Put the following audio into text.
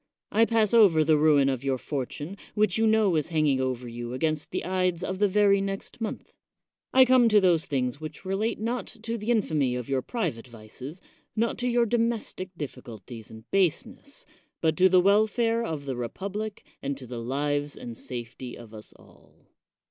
I pass over the ruin of your fortune, which you know is hanging over you against the ides of the very next month; I come to those things which relate not to the 101 THE WORLDS FAMOUS ORATIONS infamy of your private vices, not to your domes tie difficulties and baseness, but to the welfare of the republic and to the lives and safety of us all.